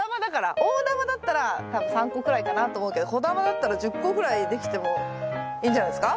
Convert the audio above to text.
大玉だったら多分３個くらいかなと思うけど小玉だったら１０個ぐらいできてもいいんじゃないすか？